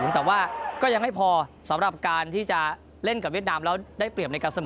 แต่ว่าก็ยังไม่พอสำหรับการที่จะเล่นกับเวียดนามแล้วได้เปรียบในการเสมอ